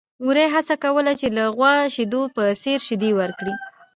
وري هڅه کوله چې د غوا د شیدو په څېر شیدې ورکړي.